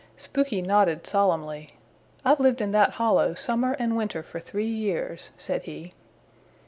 Spooky nodded solemnly. "I've lived in that hollow summer and winter for three years," said he.